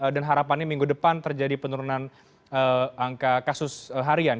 dan harapannya minggu depan terjadi penurunan angka kasus harian